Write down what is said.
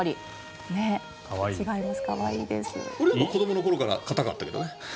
俺は子どもの頃から固かったけどね。